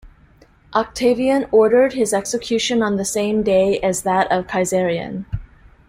Octavian ordered his execution on the same day as that of Caesarion.